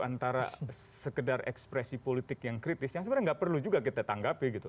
antara sekedar ekspresi politik yang kritis yang sebenarnya nggak perlu juga kita tanggapi gitu